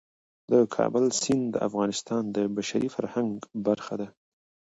د کابل سیند د افغانستان د بشري فرهنګ برخه ده.